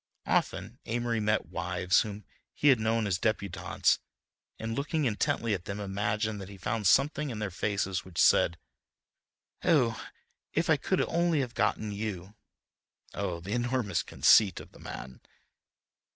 Often Amory met wives whom he had known as debutantes, and looking intently at them imagined that he found something in their faces which said: "Oh, if I could only have gotten you!" Oh, the enormous conceit of the man!